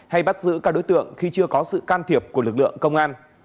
hay bắt giữ các đối tượng khi chưa có sự can thiệp của lực lượng công an